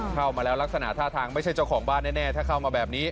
เข้ามาแล้วลักษณะท่าทางไม่ใช่เจ้าของบ้านแน่ถ้าเข้ามาแบบนี้